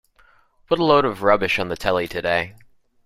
What a load of rubbish on the telly today.